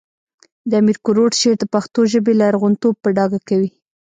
د امیر کروړ شعر د پښتو ژبې لرغونتوب په ډاګه کوي